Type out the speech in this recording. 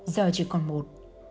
giờ chỉ còn một